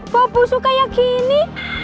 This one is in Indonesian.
bawa busuk kayak gini